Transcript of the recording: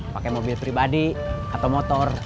pakai mobil pribadi atau motor